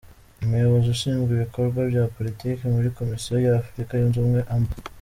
Umuyobozi ushinzwe ibikorwa bya Politiki muri Komisiyo ya Afurika Yunze Ubumwe, Amb.